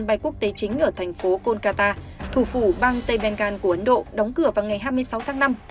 sân bay quốc tế chính ở thành phố kolkata thủ phủ bang tây bengal của ấn độ đóng cửa vào ngày hai mươi sáu tháng năm